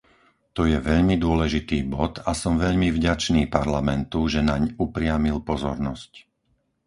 To je veľmi dôležitý bod a som veľmi vďačný Parlamentu, že naň upriamil pozornosť.